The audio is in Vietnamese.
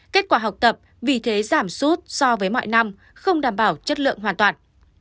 kết quả học tập vì thế giảm sút so với mọi năm không đảm bảo chất lượng hoàn toàn